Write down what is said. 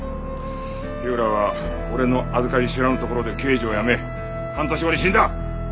火浦は俺のあずかり知らぬところで刑事を辞め半年後に死んだ！